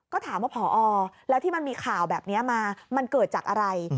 ก็ถามว่าพอแล้วที่มันมีข่าวแบบนี้มามันเกิดจากอะไร